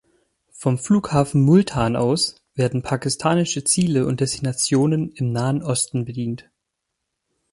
Vom Flughafen Multan aus werden pakistanische Ziele und Destinationen im Nahen Osten bedient.